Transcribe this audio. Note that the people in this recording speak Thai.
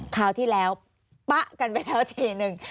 คราวที่แล้วปะกันไปแล้วทีนึง